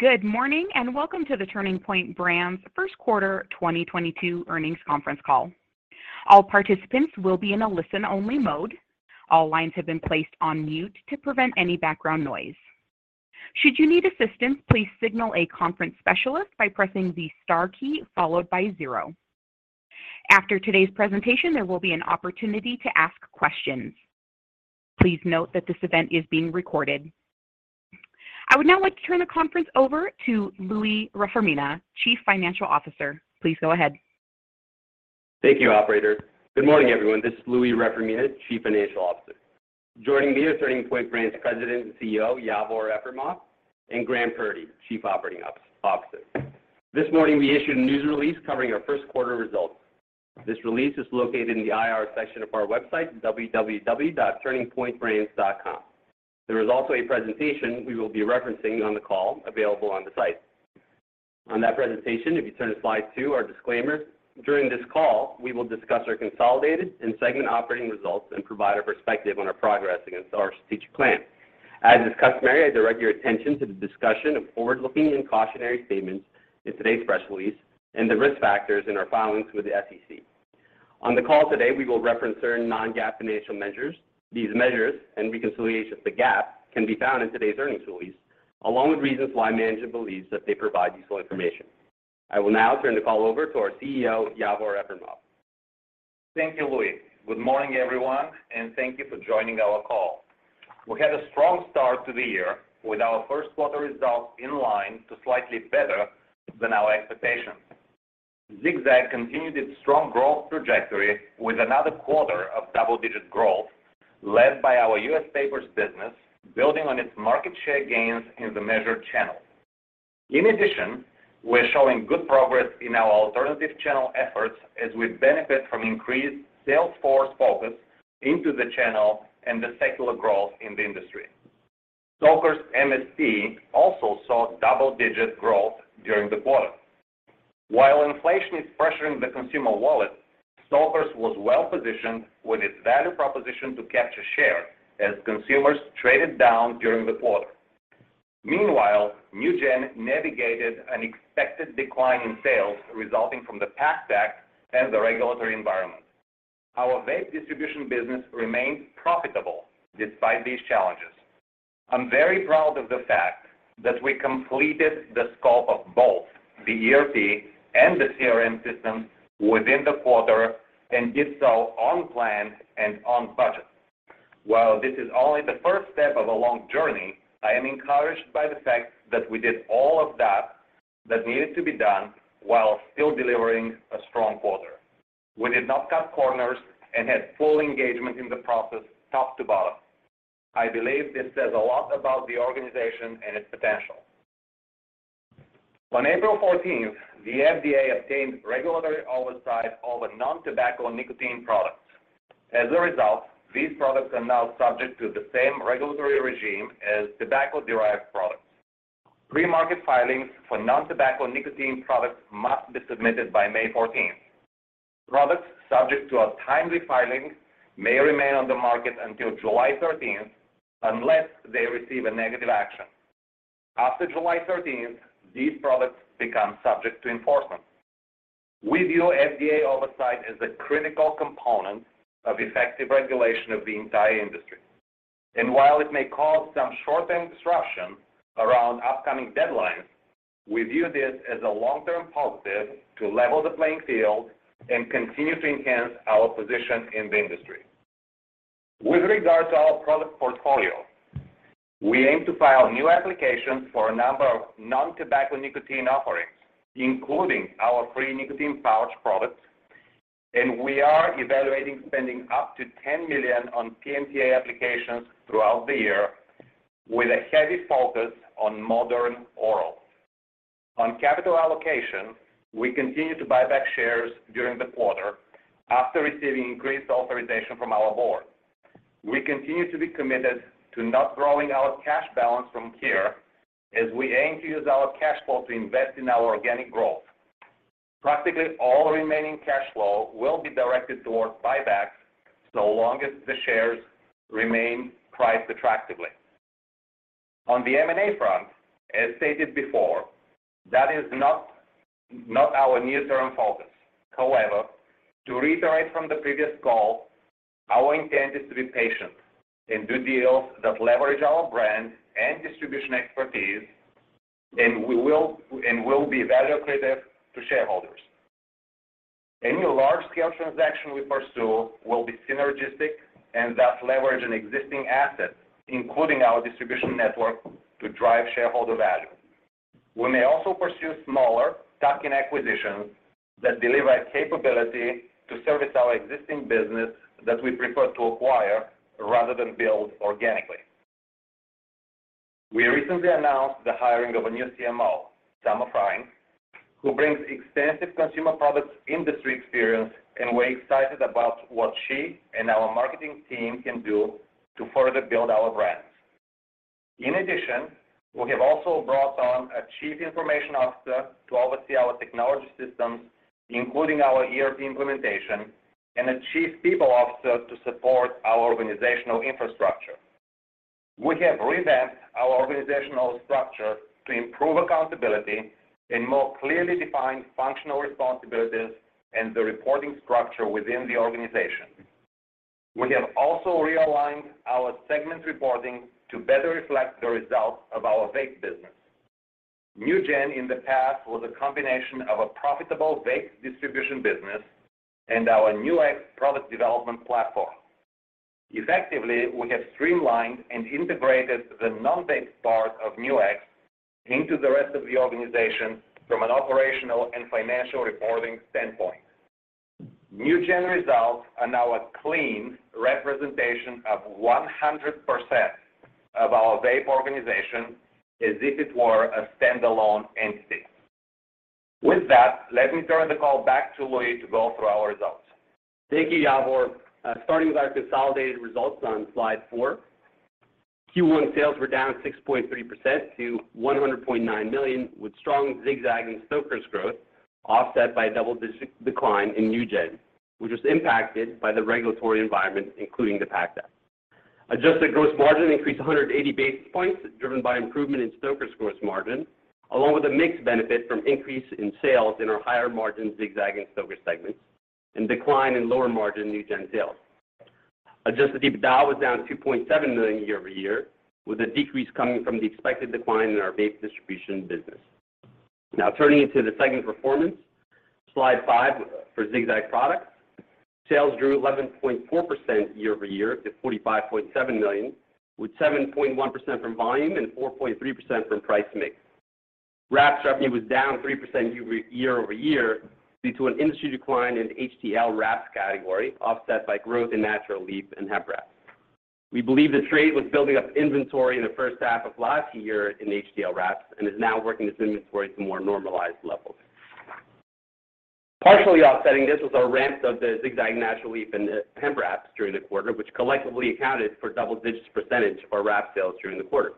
Good morning, and welcome to the Turning Point Brands first quarter 2022 earnings conference call. All participants will be in a listen-only mode. All lines have been placed on mute to prevent any background noise. Should you need assistance, please signal a conference specialist by pressing the star key followed by zero. After today's presentation, there will be an opportunity to ask questions. Please note that this event is being recorded. I would now like to turn the conference over to Louie Reformina, Chief Financial Officer. Please go ahead. Thank you, operator. Good morning, everyone. This is Louie Reformina, Chief Financial Officer. Joining me are Turning Point Brands President and CEO, Yavor Efremov, and Graham Purdy, Chief Operating Officer. This morning, we issued a news release covering our first quarter results. This release is located in the IR section of our website, www.turningpointbrands.com. There is also a presentation we will be referencing on the call available on the site. On that presentation, if you turn to slide two, our disclaimer. During this call, we will discuss our consolidated and segment operating results and provide a perspective on our progress against our strategic plan. As is customary, I direct your attention to the discussion of forward-looking and cautionary statements in today's press release and the risk factors in our filings with the SEC. On the call today, we will reference certain non-GAAP financial measures. These measures and reconciliation to GAAP can be found in today's earnings release, along with reasons why management believes that they provide useful information. I will now turn the call over to our CEO, Yavor Efremov. Thank you, Louie. Good morning, everyone, and thank you for joining our call. We had a strong start to the year with our first quarter results in line to slightly better than our expectations. Zig-Zag continued its strong growth trajectory with another quarter of double-digit growth led by our U.S. papers business, building on its market share gains in the measured channels. In addition, we're showing good progress in our alternative channel efforts as we benefit from increased sales force focus into the channel and the secular growth in the industry. Stoker's MST also saw double-digit growth during the quarter. While inflation is pressuring the consumer wallet, Stoker's was well-positioned with its value proposition to capture share as consumers traded down during the quarter. Meanwhile, NewGen navigated an expected decline in sales resulting from the PACT Act and the regulatory environment. Our vape distribution business remains profitable despite these challenges. I'm very proud of the fact that we completed the scope of both the ERP and the CRM systems within the quarter and did so on plan and on budget. While this is only the first step of a long journey, I am encouraged by the fact that we did all of that needed to be done while still delivering a strong quarter. We did not cut corners and had full engagement in the process top to bottom. I believe this says a lot about the organization and its potential. On April 14th, the FDA obtained regulatory oversight over non-tobacco nicotine products. As a result, these products are now subject to the same regulatory regime as tobacco-derived products. Pre-market filings for non-tobacco nicotine products must be submitted by May 14th. Products subject to a timely filing may remain on the market until July 13th unless they receive a negative action. After July 13th, these products become subject to enforcement. We view FDA oversight as a critical component of effective regulation of the entire industry. While it may cause some short-term disruption around upcoming deadlines, we view this as a long-term positive to level the playing field and continue to enhance our position in the industry. With regards to our product portfolio, we aim to file new applications for a number of non-tobacco nicotine offerings, including our FRĒ nicotine pouch products, and we are evaluating spending up to $10 million on PMTA applications throughout the year with a heavy focus on Modern Oral. On capital allocation, we continued to buy back shares during the quarter after receiving increased authorization from our board. We continue to be committed to not growing our cash balance from here as we aim to use our cash flow to invest in our organic growth. Practically all remaining cash flow will be directed towards buybacks so long as the shares remain priced attractively. On the M&A front, as stated before, that is not our near-term focus. However, to reiterate from the previous call, our intent is to be patient and do deals that leverage our brand and distribution expertise, and we will be value accretive to shareholders. Any large-scale transaction we pursue will be synergistic and thus leverage an existing asset, including our distribution network, to drive shareholder value. We may also pursue smaller tuck-in acquisitions that deliver a capability to service our existing business that we prefer to acquire rather than build organically. We recently announced the hiring of a new CMO, Summer Frein, who brings extensive consumer products industry experience, and we're excited about what she and our marketing team can do to further build our brands. In addition, we have also brought on a Chief Information Officer to oversee our technology systems, including our ERP implementation. A Chief People Officer to support our organizational infrastructure. We have revamped our organizational structure to improve accountability and more clearly define functional responsibilities and the reporting structure within the organization. We have also realigned our segment reporting to better reflect the results of our vape business. NewGen in the past was a combination of a profitable vape distribution business and our Nu-X product development platform. Effectively, we have streamlined and integrated the non-vape part of Nu-X into the rest of the organization from an operational and financial reporting standpoint. NewGen results are now a clean representation of 100% of our vape organization as if it were a standalone entity. With that, let me turn the call back to Louie to go through our results. Thank you, Yavor. Starting with our consolidated results on slide four. Q1 sales were down 6.3% to $100.9 million, with strong Zig-Zag and Stoker's growth offset by a double-digit decline in NewGen, which was impacted by the regulatory environment, including the PACT Act. Adjusted gross margin increased 180 basis points, driven by improvement in Stoker's gross margin, along with a mix benefit from increase in sales in our higher margin Zig-Zag and Stoker's segments and decline in lower margin NewGen sales. Adjusted EBITDA was down $2.7 million year-over-year, with a decrease coming from the expected decline in our vape distribution business. Now turning to the segment performance. Slide five for Zig-Zag products. Sales grew 11.4% year-over-year to $45.7 million, with 7.1% from volume and 4.3% from price mix. Wraps revenue was down 3% year-over-year due to an industry decline in HTL wraps category, offset by growth in natural leaf and hemp wraps. We believe the trade was building up inventory in the first half of last year in HTL wraps and is now working its inventory to more normalized levels. Partially offsetting this was our ramp of the Zig-Zag natural leaf and hemp wraps during the quarter, which collectively accounted for double digits percentage of our wrap sales during the quarter.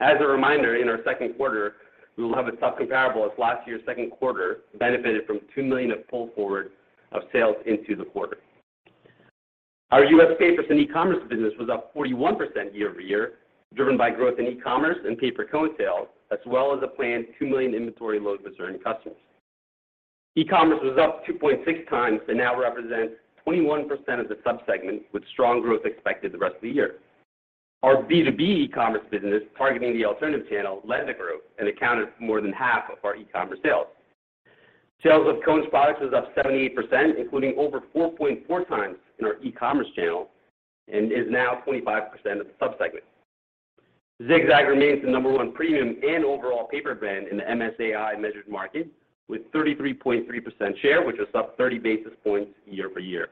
As a reminder, in our second quarter, we will have a tough comparable as last year's second quarter benefited from $2 million of pull forward of sales into the quarter. Our U.S. papers and e-commerce business was up 41% year-over-year, driven by growth in e-commerce and paper cone sales, as well as a planned 2 million inventory load with certain customers. E-commerce was up 2.6x and now represents 21% of the sub-segment, with strong growth expected the rest of the year. Our B2B e-commerce business targeting the alternative channel led the growth and accounted for more than half of our e-commerce sales. Sales of cones products was up 78%, including over 4.4x in our e-commerce channel and is now 25% of the sub-segment. Zig-Zag remains the number one premium and overall paper brand in the MSAi measured market with 33.3% share, which was up 30 basis points year-over-year.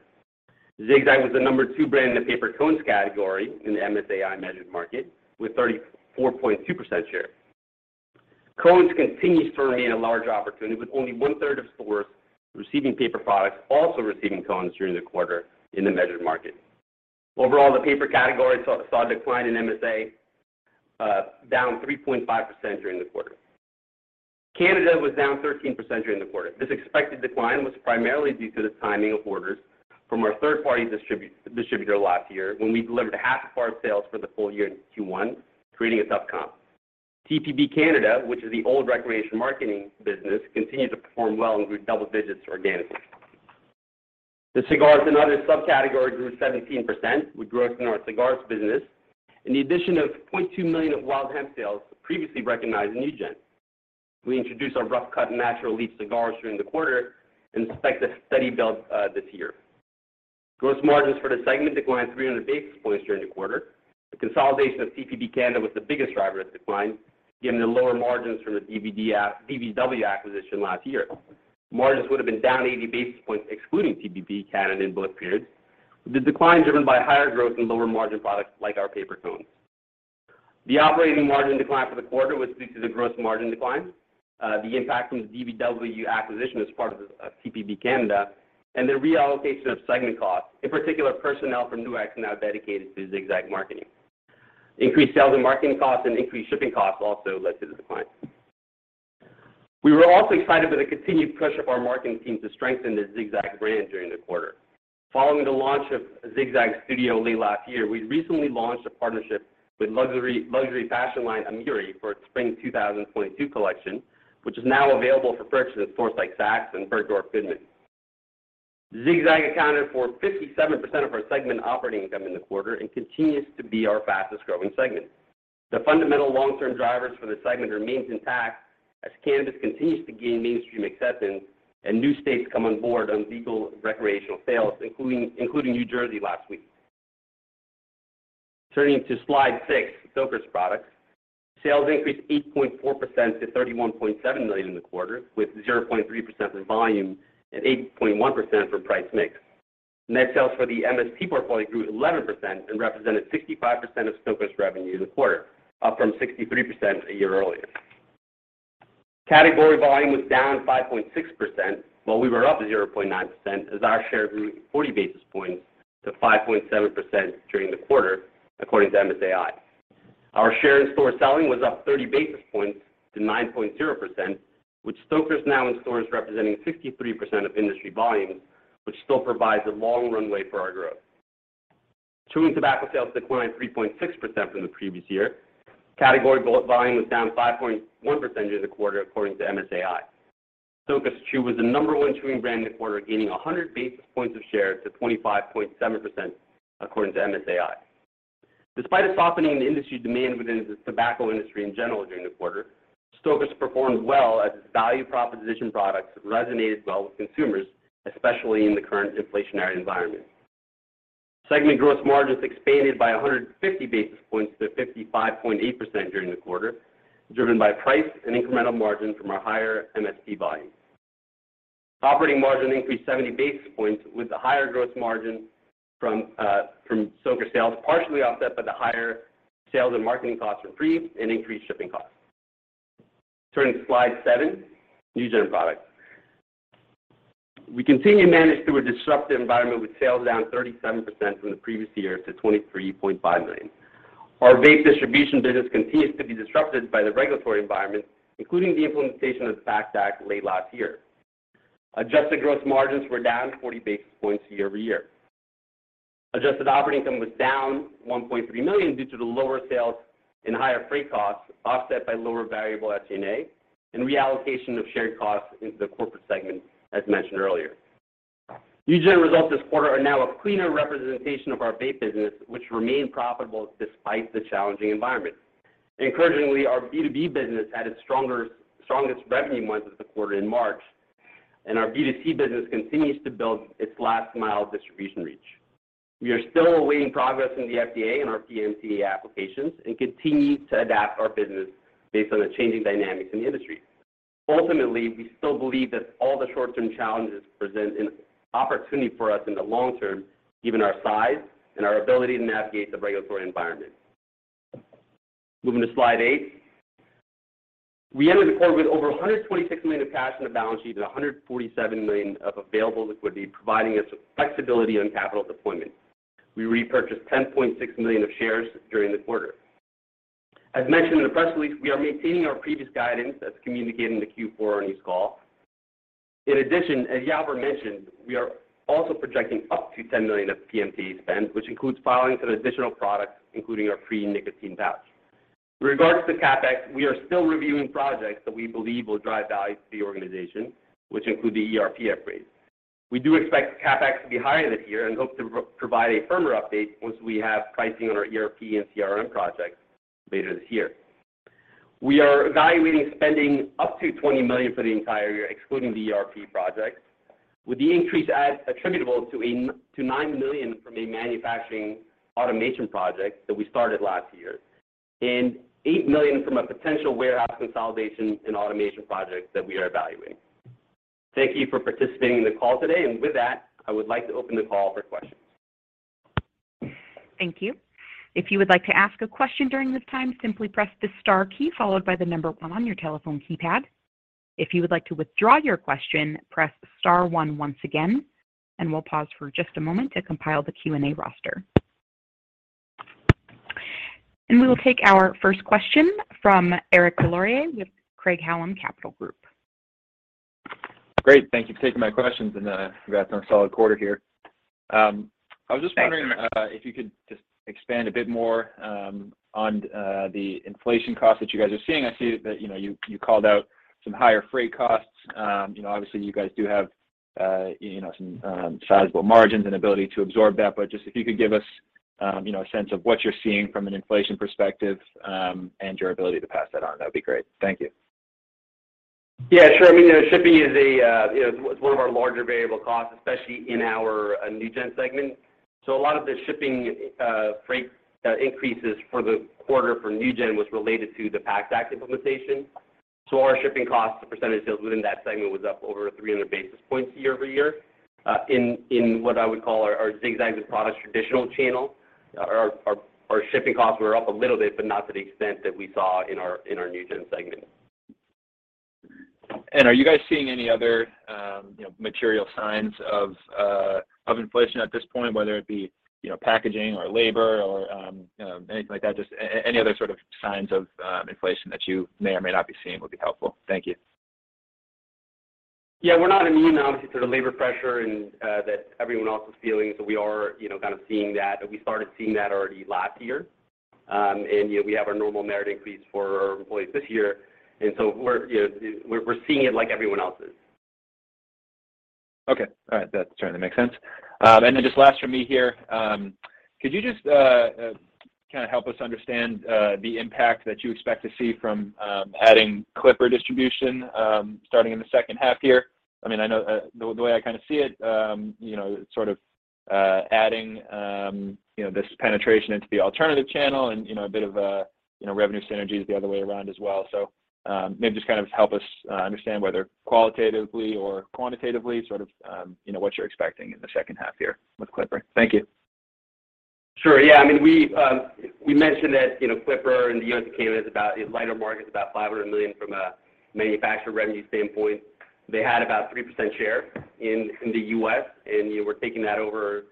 Zig-Zag was the number 2 brand in the paper cones category in the MSAi measured market with 34.2% share. Cones continues to remain a large opportunity with only 1/3 of stores receiving paper products also receiving cones during the quarter in the measured market. Overall, the paper category saw a decline in MSAi, down 3.5% during the quarter. Canada was down 13% during the quarter. This expected decline was primarily due to the timing of orders from our third-party distributor last year when we delivered half of our sales for the full year in Q1, creating a tough comp. TPB Canada, which is the old ReCreation Marketing business, continued to perform well and grew double digits organically. The cigars and other subcategory grew 17% with growth in our cigars business and the addition of $0.2 million of Wild Hemp sales previously recognized in NewGen. We introduced our Rough Cut natural leaf cigars during the quarter and expect a steady build this year. Gross margins for the segment declined 300 basis points during the quarter. The consolidation of TPB Canada was the biggest driver of decline, given the lower margins from the DBW acquisition last year. Margins would have been down 80 basis points excluding TPB Canada in both periods, with the decline driven by higher growth in lower margin products like our paper cones. The operating margin decline for the quarter was due to the gross margin decline, the impact from the DBW acquisition as part of TPB Canada, and the reallocation of segment costs, in particular, personnel from Nu-X now dedicated to Zig-Zag marketing. Increased sales and marketing costs and increased shipping costs also led to the decline. We were also excited by the continued push of our marketing team to strengthen the Zig-Zag brand during the quarter. Following the launch of Zig-Zag Studio only last year, we recently launched a partnership with luxury fashion line AMIRI for its Spring 2022 collection, which is now available for purchase at stores like Saks and Bergdorf Goodman. Zig-Zag accounted for 57% of our segment operating income in the quarter and continues to be our fastest-growing segment. The fundamental long-term drivers for the segment remains intact as cannabis continues to gain mainstream acceptance and new states come on board on legal recreational sales, including New Jersey last week. Turning to slide 6, Stoker's products. Sales increased 8.4% to $31.7 million in the quarter, with 0.3% from volume and 8.1% from price mix. Net sales for the MST portfolio grew 11% and represented 65% of Stoker's revenue in the quarter, up from 63% a year earlier. Category volume was down 5.6%, while we were up 0.9% as our share grew 40 basis points to 5.7% during the quarter, according to MSAi. Our share in store selling was up 30 basis points to 9.0%, with Stoker's now in stores representing 63% of industry volumes, which still provides a long runway for our growth. Chewing tobacco sales declined 3.6% from the previous year. Category volume was down 5.1% during the quarter according to MSAi. Stoker's Chew was the number one chewing brand in the quarter, gaining 100 basis points of share to 25.7% according to MSAi. Despite a softening in industry demand within the tobacco industry in general during the quarter, Stoker's performed well as its value proposition products resonated well with consumers, especially in the current inflationary environment. Segment gross margins expanded by 150 basis points to 55.8% during the quarter, driven by price and incremental margin from our higher MST volume. Operating margin increased 70 basis points with the higher gross margin from Stoker's sales, partially offset by the higher sales and marketing costs from FRĒ and increased shipping costs. Turning to slide seven, NewGen products. We continue to manage through a disruptive environment with sales down 37% from the previous year to $23.5 million. Our vape distribution business continues to be disrupted by the regulatory environment, including the implementation of the PACT Act late last year. Adjusted gross margins were down 40 basis points year-over-year. Adjusted operating income was down $1.3 million due to the lower sales and higher freight costs, offset by lower variable SG&A and reallocation of shared costs into the corporate segment, as mentioned earlier. NewGen results this quarter are now a cleaner representation of our vape business, which remain profitable despite the challenging environment. Encouragingly, our B2B business had its strongest revenue month of the quarter in March, and our B2C business continues to build its last mile distribution reach. We are still awaiting progress in the FDA and our PMTA applications and continue to adapt our business based on the changing dynamics in the industry. Ultimately, we still believe that all the short-term challenges present an opportunity for us in the long term, given our size and our ability to navigate the regulatory environment. Moving to slide 8. We ended the quarter with over $126 million of cash on the balance sheet and $147 million of available liquidity, providing us with flexibility on capital deployment. We repurchased $10.6 million of shares during the quarter. As mentioned in the press release, we are maintaining our previous guidance that's communicated in the Q4 earnings call. In addition, as Yavor mentioned, we are also projecting up to $10 million of PMTA spend, which includes filings of additional products, including our FRĒ nicotine pouch. With regards to CapEx, we are still reviewing projects that we believe will drive value to the organization, which include the ERP upgrade. We do expect CapEx to be higher this year and hope to provide a firmer update once we have pricing on our ERP and CRM projects later this year. We are evaluating spending up to $20 million for the entire year, excluding the ERP project, with the increase attributable to $8 million-$9 million from a manufacturing automation project that we started last year and $8 million from a potential warehouse consolidation and automation project that we are evaluating. Thank you for participating in the call today. With that, I would like to open the call for questions. Thank you. If you would like to ask a question during this time, simply press the star key followed by the number one on your telephone keypad. If you would like to withdraw your question, press star one once again, and we'll pause for just a moment to compile the Q&A roster. We will take our first question from Eric Des Lauriers with Craig-Hallum Capital Group. Great. Thank you for taking my questions, and congrats on a solid quarter here. I was just wondering. Thank you.... if you could just expand a bit more, on the inflation costs that you guys are seeing. I see that, you know, you called out some higher freight costs. You know, obviously you guys do have, you know, some sizable margins and ability to absorb that. Just if you could give us, you know, a sense of what you're seeing from an inflation perspective, and your ability to pass that on, that'd be great. Thank you. Yeah, sure. I mean, you know, shipping is one of our larger variable costs, especially in our NewGen segment. A lot of the shipping, freight increases for the quarter for NewGen was related to the PACT Act implementation. Our shipping costs as a percentage of sales within that segment was up over 300 basis points year-over-year. In what I would call our Zig-Zag and products traditional channel, our shipping costs were up a little bit, but not to the extent that we saw in our NewGen segment. Are you guys seeing any other, you know, material signs of inflation at this point, whether it be, you know, packaging or labor or, anything like that? Just any other sort of signs of, inflation that you may or may not be seeing would be helpful. Thank you. Yeah, we're not immune, obviously, to the labor pressure and that everyone else is feeling. We are, you know, kind of seeing that. We started seeing that already last year. You know, we have our normal merit increase for our employees this year, and so we're, you know, seeing it like everyone else is. Okay. All right. That certainly makes sense. Just last from me here, could you just kinda help us understand the impact that you expect to see from adding Clipper distribution starting in the second half here? I mean, I know the way I kinda see it, you know, sort of adding you know this penetration into the alternative channel and you know a bit of you know revenue synergies the other way around as well. Maybe just kind of help us understand whether qualitatively or quantitatively sort of you know what you're expecting in the second half here with Clipper. Thank you. Sure. Yeah. I mean, we mentioned that, you know, Clipper in the U.S. market is about $500 million in lighter markets from a manufacturer revenue standpoint. They had about 3% share in the U.S. and we're taking that over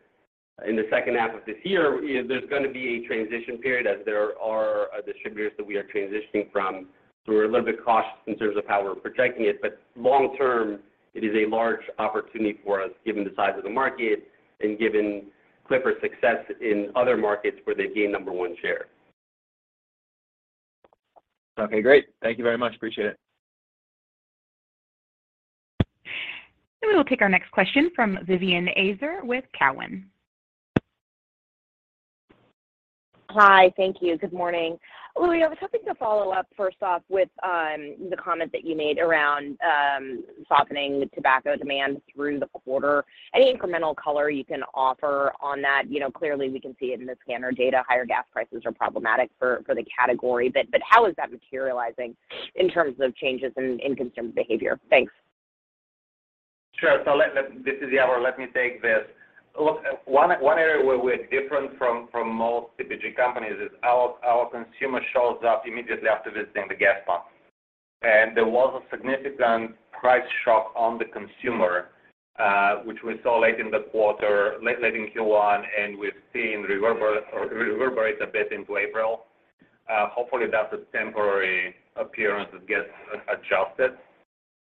in the second half of this year. Yeah, there's gonna be a transition period as there are distributors that we are transitioning from. We're a little bit cautious in terms of how we're protecting it, but long-term, it is a large opportunity for us given the size of the market and given Clipper's success in other markets where they've gained number one share. Okay, great. Thank you very much. Appreciate it. We will take our next question from Vivian Azer with Cowen. Hi. Thank you. Good morning. Louie Reformina, I was hoping to follow up first off with the comment that you made around softening tobacco demand through the quarter. Any incremental color you can offer on that? You know, clearly we can see it in the scanner data. Higher gas prices are problematic for the category. But how is that materializing in terms of changes in consumer behavior? Thanks. Sure. This is Yavor. Let me take this. Look, one area where we're different from most CPG companies is our consumer shows up immediately after visiting the gas pump. There was a significant price shock on the consumer, which we saw late in the quarter, late in Q1, and we've seen reverberate a bit in April. Hopefully that's a temporary aberration that gets adjusted.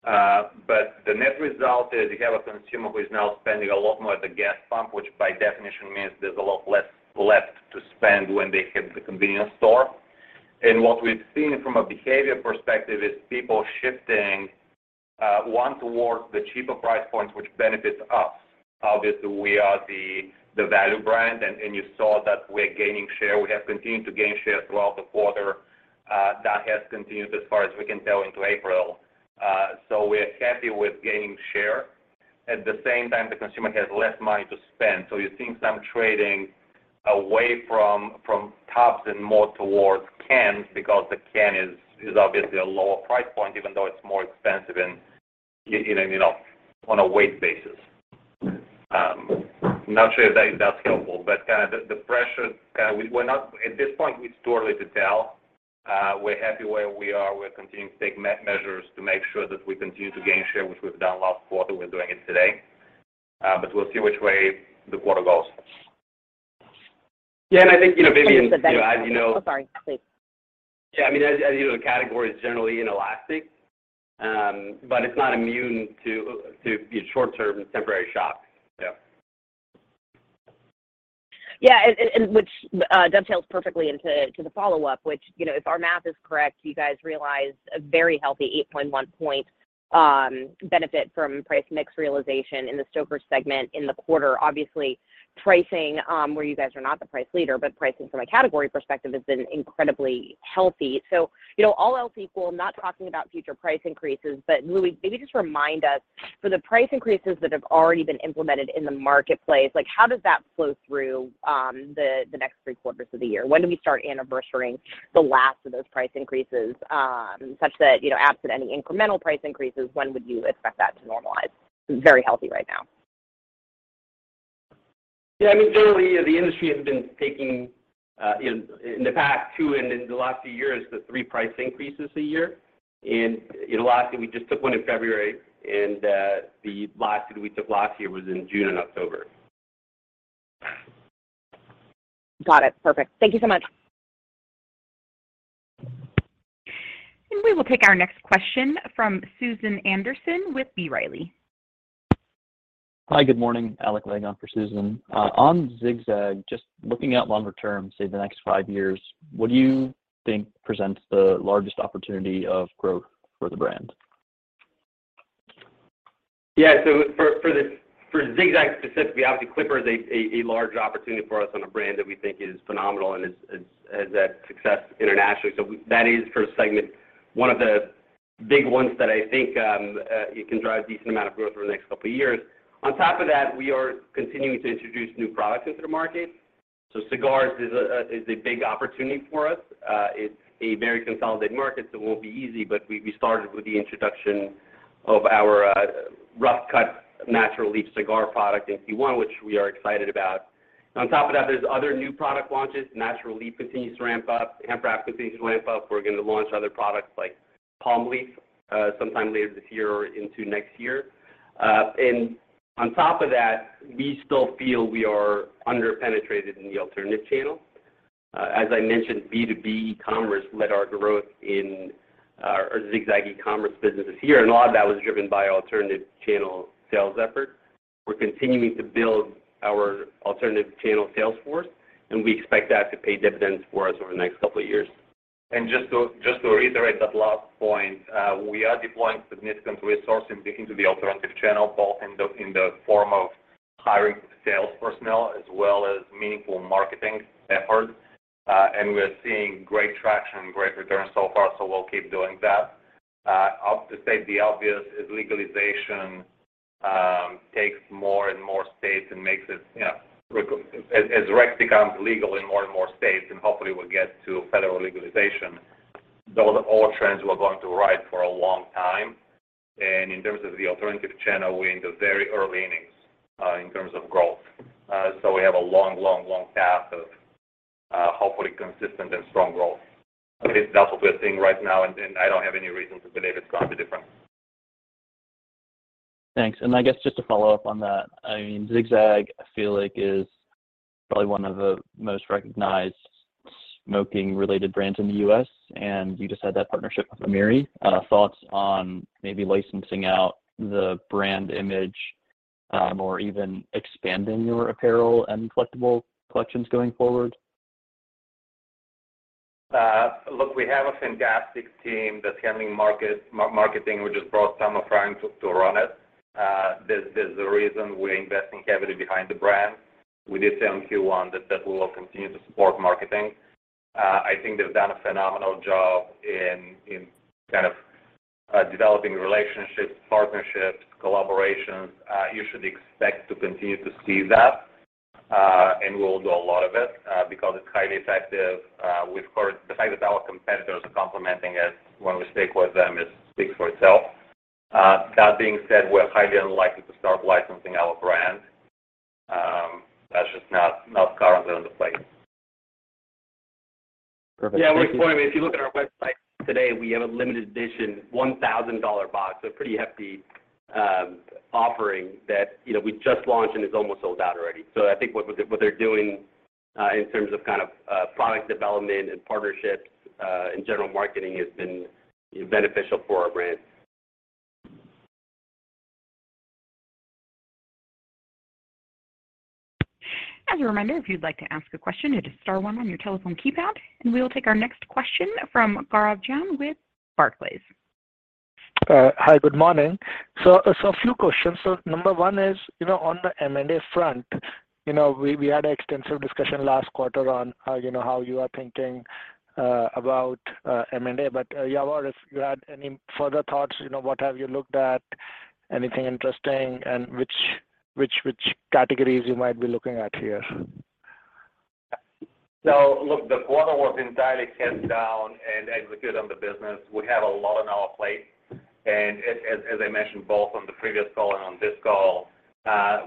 The net result is you have a consumer who is now spending a lot more at the gas pump, which by definition means there's a lot less left to spend when they hit the convenience store. What we've seen from a behavior perspective is people shifting one towards the cheaper price points, which benefits us. Obviously, we are the value brand and you saw that we're gaining share. We have continued to gain share throughout the quarter. That has continued as far as we can tell into April. We're happy with gaining share. At the same time, the consumer has less money to spend, so you're seeing some trading away from tops and more towards cans because the can is obviously a lower price point, even though it's more expensive, you know, on a weight basis. Not sure if that's helpful, but kinda the pressure. At this point, it's too early to tell. We're happy where we are. We're continuing to take measures to make sure that we continue to gain share, which we've done last quarter, we're doing it today. We'll see which way the quarter goes. Yeah. I think, you know, Vivian, you know, as you know. Oh, sorry. Please. Yeah. I mean, as you know, the category is generally inelastic, but it's not immune to short-term and temporary shocks. Yeah. Yeah. Which dovetails perfectly into the follow-up, which, you know, if our math is correct, you guys realized a very healthy 8.1-point benefit from price mix realization in the Stoker's segment in the quarter. Obviously, pricing, where you guys are not the price leader, but pricing from a category perspective has been incredibly healthy. You know, all else equal, not talking about future price increases, but Louie, maybe just remind us, for the price increases that have already been implemented in the marketplace, like, how does that flow through the next three quarters of the year? When do we start anniversarying the last of those price increases, such that, you know, absent any incremental price increases, when would you expect that to normalize? Very healthy right now. Yeah. I mean, generally, the industry has been taking in the past two and in the last few years three price increases a year. In the last year, we just took one in February, and the last that we took last year was in June and October. Got it. Perfect. Thank you so much. We will take our next question from Susan Anderson with B. Riley. Hi, good morning. Alec calling in for Susan. On Zig-Zag, just looking out longer term, say the next five years, what do you think presents the largest opportunity of growth for the brand? Yeah. For Zig-Zag specifically, obviously Clipper is a large opportunity for us on a brand that we think is phenomenal and has had success internationally. That is, for a segment, one of the big ones that I think it can drive a decent amount of growth over the next couple of years. On top of that, we are continuing to introduce new products into the market. Cigars is a big opportunity for us. It's a very consolidated market, so it won't be easy, but we started with the introduction of our Rough Cut natural leaf cigar product in Q1, which we are excited about. On top of that, there's other new product launches. Natural leaf continues to ramp-up. Hemp wrap continues to ramp-up. We're gonna launch other products like natural leaf sometime later this year or into next year. On top of that, we still feel we are under-penetrated in the alternative channel. As I mentioned, B2B commerce led our growth in our Zig-Zag e-commerce business this year, and a lot of that was driven by alternative channel sales effort. We're continuing to build our alternative channel sales force, and we expect that to pay dividends for us over the next couple of years. Just to reiterate that last point, we are deploying significant resources into the alternative channel, both in the form of hiring sales personnel as well as meaningful marketing efforts. We're seeing great traction, great returns so far, so we'll keep doing that. To state the obvious, legalization takes more and more states and makes it, you know, as rec becomes legal in more and more states, and hopefully we'll get to federal legalization, those are all trends we're going to ride for a long time. In terms of the alternative channel, we're in the very early innings in terms of growth. We have a long path of hopefully consistent and strong growth. At least that's what we are seeing right now, and I don't have any reason to believe it's gonna be different. Thanks. I guess just to follow up on that, I mean, Zig-Zag, I feel like is probably one of the most recognized smoking-related brands in the U.S., and you just had that partnership with Am. Thoughts on maybe licensing out the brand image, or even expanding your apparel and collectible collections going forward? Look, we have a fantastic team that's handling marketing. We just brought Summer Frein to run it. There's a reason we're investing heavily behind the brand. We did say in Q1 that we will continue to support marketing. I think they've done a phenomenal job in kind of developing relationships, partnerships, collaborations. You should expect to continue to see that, and we'll do a lot of it, because it's highly effective. We've heard the fact that our competitors are complimenting it when we speak with them, it speaks for itself. That being said, we're highly unlikely to start licensing our brand. That's just not currently on the plate. Perfect. Thank you. Yeah. I would just point out, if you look at our website today, we have a limited edition $1,000 box, a pretty hefty offering that, you know, we just launched, and it's almost sold out already. I think what they're doing in terms of kind of product development and partnerships and general marketing has been beneficial for our brand. As a reminder, if you'd like to ask a question, hit star one on your telephone keypad. We will take our next question from Gaurav Jain with Barclays. Hi. Good morning. A few questions. Number one is, you know, on the M&A front, you know, we had extensive discussion last quarter on, you know, how you are thinking about M&A. Yavor, if you had any further thoughts, you know, what have you looked at, anything interesting and which categories you might be looking at here? Look, the quarter was entirely hands down and execute on the business. We have a lot on our plate. As I mentioned both on the previous call and on this call,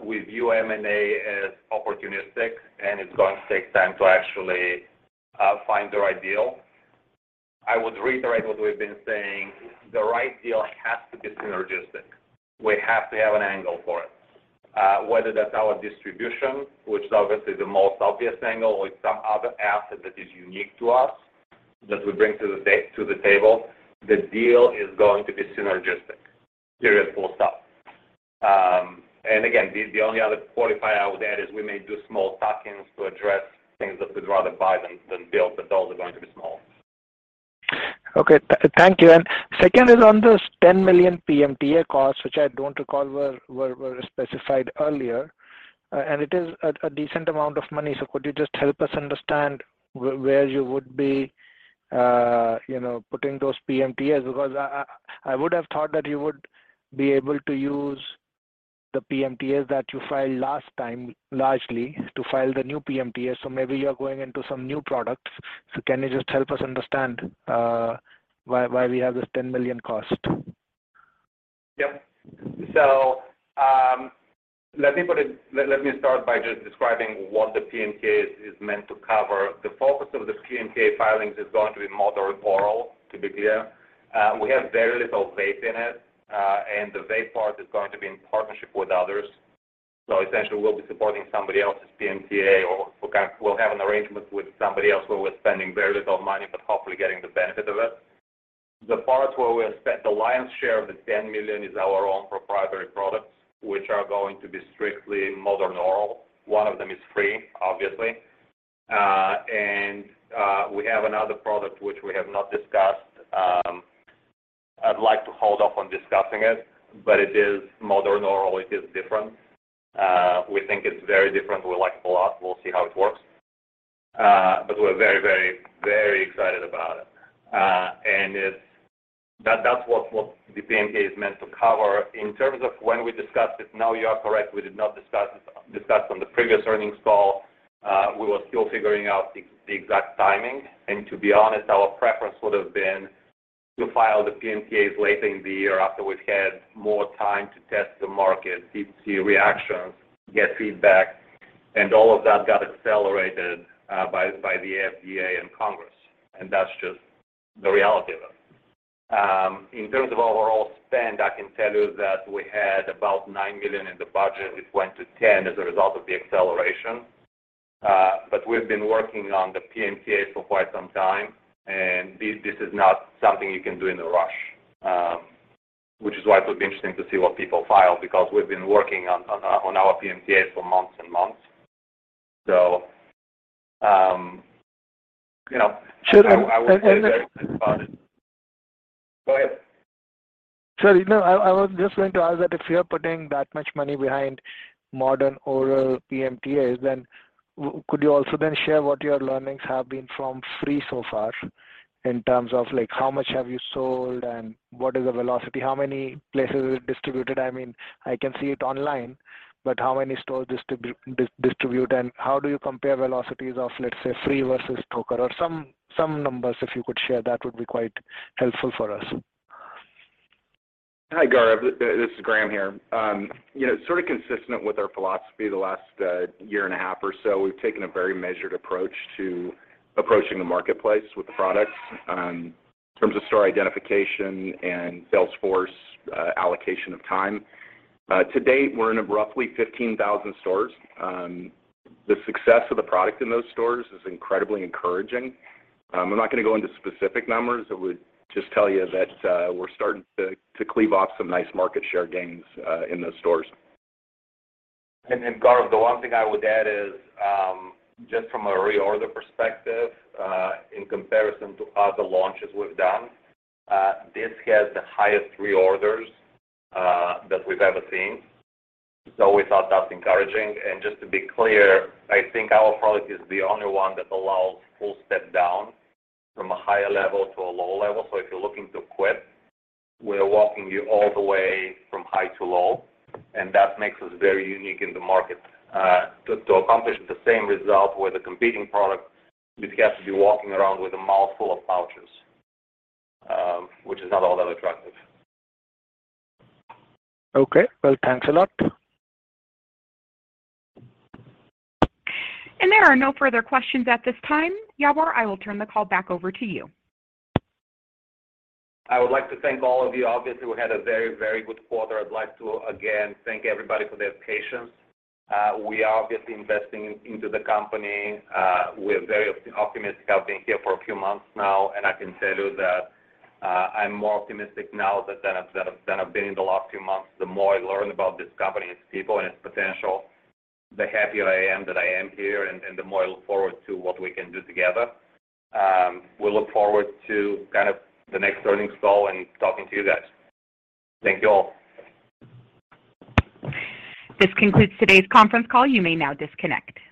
we view M&A as opportunistic, and it's going to take time to actually find the right deal. I would reiterate what we've been saying. The right deal has to be synergistic. We have to have an angle for it. Whether that's our distribution, which is obviously the most obvious angle or some other asset that is unique to us, that we bring to the table, the deal is going to be synergistic. Period. Full stop. Again, the only other qualifier I would add is we may do small tuck-ins to address things that we'd rather buy than build, but those are going to be small. Okay. Thank you. Second is on those $10 million PMTA costs, which I don't recall were specified earlier. It is a decent amount of money. Could you just help us understand where you would be, you know, putting those PMTAs? Because I would have thought that you would be able to use the PMTAs that you filed last time largely to file the new PMTAs. Maybe you're going into some new products. Can you just help us understand why we have this $10 million cost? Let me start by just describing what the PMTA is meant to cover. The focus of this PMTA filings is going to be Modern Oral, to be clear. We have very little vape in it, and the vape part is going to be in partnership with others. Essentially, we'll be supporting somebody else's PMTA or we'll have an arrangement with somebody else where we're spending very little money but hopefully getting the benefit of it. The part where we'll spend the lion's share of the $10 million is our own proprietary products, which are going to be strictly Modern Oral. One of them is FRĒ, obviously. We have another product which we have not discussed. I'd like to hold off on discussing it, but it is Modern Oral. It is different. We think it's very different. We like it a lot. We'll see how it works. But we're very, very, very excited about it. That's what the PMTA is meant to cover. In terms of when we discussed it, no, you are correct, we did not discuss on the previous earnings call. We were still figuring out the exact timing. To be honest, our preference would have been to file the PMTAs later in the year after we've had more time to test the market, see reactions, get feedback. All of that got accelerated by the FDA and Congress, and that's just the reality of it. In terms of overall spend, I can tell you that we had about $9 million in the budget. It went to $10 million as a result of the acceleration. We've been working on the PMTAs for quite some time, and this is not something you can do in a rush, which is why it will be interesting to see what people file, because we've been working on our PMTAs for months and months. You know, I would say very excited about it. Should... And, and- Go ahead. Sorry. No. I was just going to ask that if you're putting that much money behind Modern Oral PMTAs, then could you also then share what your learnings have been from FRĒ so far in terms of, like, how much have you sold and what is the velocity? How many places is it distributed? I mean, I can see it online, but how many stores distribute, and how do you compare velocities of, let's say, FRĒ versus Stoker? Or some numbers if you could share, that would be quite helpful for us. Hi, Gaurav Jain. This is Graham Purdy here. You know, sort of consistent with our philosophy the last year and a half or so, we've taken a very measured approach to approaching the marketplace with the products in terms of store identification and sales force allocation of time. To date, we're in roughly 15,000 stores. The success of the product in those stores is incredibly encouraging. I'm not gonna go into specific numbers. I would just tell you that we're starting to cleave off some nice market share gains in those stores. Gaurav, the one thing I would add is, just from a reorder perspective, in comparison to other launches we've done, this has the highest reorders that we've ever seen. We thought that's encouraging. Just to be clear, I think our product is the only one that allows full step down from a higher level to a lower level. If you're looking to quit, we're walking you all the way from high to low, and that makes us very unique in the market. To accomplish the same result with a competing product, you'd have to be walking around with a mouthful of pouches, which is not all that attractive. Okay. Well, thanks a lot. There are no further questions at this time. Yavor, I will turn the call back over to you. I would like to thank all of you. Obviously, we had a very, very good quarter. I'd like to, again, thank everybody for their patience. We are obviously investing into the company. We're very optimistic. I've been here for a few months now, and I can tell you that, I'm more optimistic now than I've been in the last few months. The more I learn about this company, its people and its potential, the happier I am that I am here, and the more I look forward to what we can do together. We look forward to kind of the next earnings call and talking to you guys. Thank you all. This concludes today's conference call. You may now disconnect.